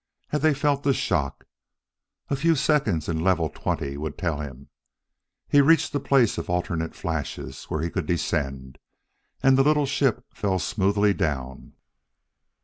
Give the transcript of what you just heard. Had they felt the shock? A few seconds in level twenty would tell him. He reached the place of alternate flashes where he could descend, and the little ship fell smoothly down.